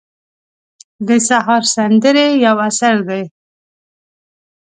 د سهار سندرې یو اثر دی.